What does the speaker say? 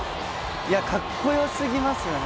いや、かっこよすぎますよね。